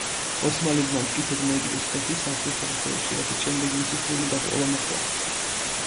ოსმალებმა მტკიცედ მოიკიდეს ფეხი სამხრეთ საქართველოში, რასაც შემდეგ მისი სრული დაპყრობა მოჰყვა.